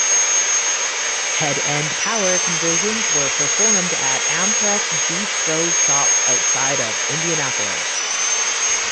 Head end power conversions were performed at Amtrak's Beech Grove Shops, outside of Indianapolis.